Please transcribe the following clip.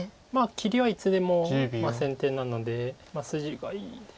切りはいつでも先手なので筋がいいです。